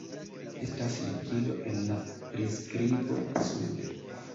Estas ligilo en la priskribo sube.